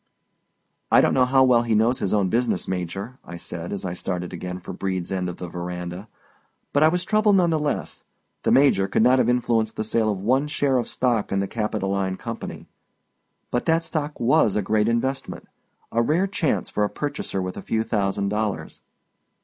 "I don't know how well he knows his own business, Major," I said as I started again for Brede's end of the veranda. But I was troubled none the less. The Major could not have influenced the sale of one share of stock in the Capitoline Company. But that stock was a great investment; a rare chance for a purchaser with a few thousand dollars.